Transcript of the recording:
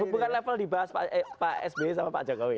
bukan level dibahas pak sbi sama pak jokowi